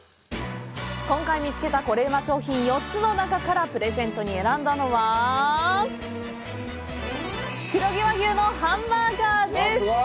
今回見つけたコレうま商品４つの中からプレゼントに選んだのは黒毛和牛のハンバーガーです！